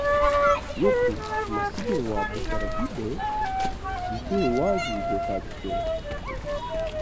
Yê ku nesîbê wan bi firehî be, dîkê wan jî hêka dikin.